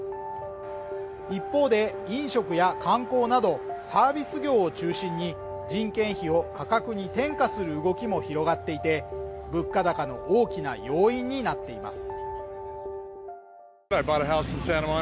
一方で、飲食や観光などサービス業を中心に人件費を価格に転嫁する動きも広がっていて、物価高の大きな要因になっています。